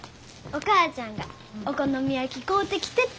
お母ちゃんがお好み焼き買うてきてって。